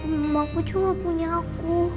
mamaku cuma punya aku